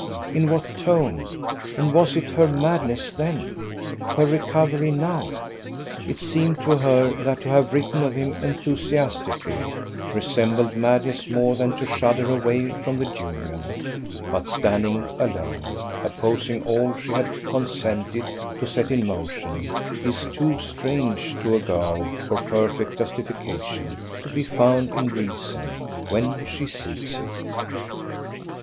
in what tone? And was it her madness then? her recovery now? It seemed to her that to have written of him enthusiastically resembled madness more than to shudder away from the union; but standing alone, opposing all she has consented to set in motion, is too strange to a girl for perfect justification to be found in reason when she seeks it.